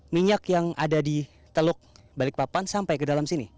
minyak yang ada di teluk balikpapan sampai ke dalam sini